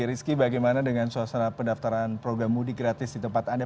rizky bagaimana dengan suasana pendaftaran program mudik gratis di tempat anda